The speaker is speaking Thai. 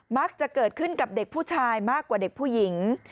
มักจะเกิดขึ้นกับเด็กผู้ชายมากกว่าเด็กผู้หญิง